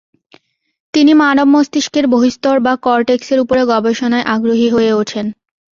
তিনি মানব মস্তিষ্কের বহিঃস্তর বা কর্টেক্সের উপরে গবেষণায় আগ্রহী হয়ে ওঠেন।